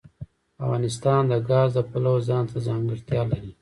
افغانستان د ګاز د پلوه ځانته ځانګړتیا لري.